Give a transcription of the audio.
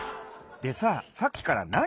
でささっきからなに？